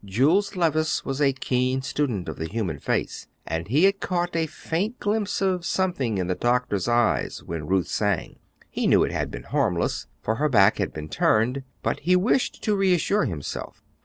Jules Levice was a keen student of the human face, and he had caught a faint glimpse of something in the doctor's eyes while Ruth sang. He knew it had been harmless, for her back had been turned, but he wished to reassure himself.